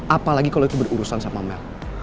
apalagi kalau itu berurusan sama mel